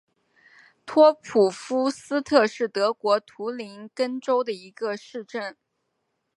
托普夫斯特是德国图林根州的一个市镇。